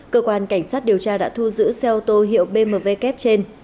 cơ quan cảnh sát điều tra đã thu giữ xe ô tô hiệu bmw kép trên